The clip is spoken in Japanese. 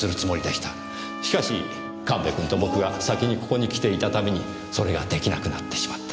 しかし神戸君と僕が先にここに来ていたためにそれが出来なくなってしまった。